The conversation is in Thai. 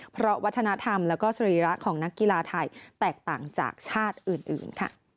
เพราะวัฒนธรรมและสรีระของนักกีฬาไทยแตกต่างจากชาติอื่น